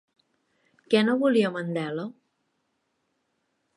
Què no volia Mandela?